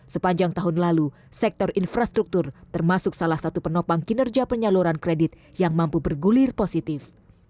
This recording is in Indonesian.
sepanjang tahun lalu sektor infrastruktur termasuk salah satu penopang kinerja penyaluran kredit yang mampu bergulir positif